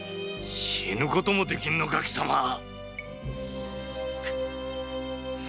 死ぬこともできぬのか貴様は！